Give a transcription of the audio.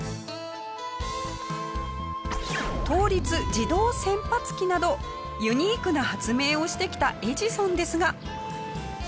これまでなどユニークな発明をしてきたエジソンですが。